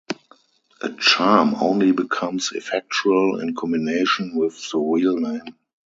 A charm only becomes effectual in combination with the real name.